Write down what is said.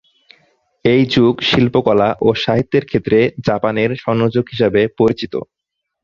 এই যুগ শিল্পকলা ও সাহিত্যের ক্ষেত্রে জাপানের স্বর্ণযুগ হিসেবে পরিচিত।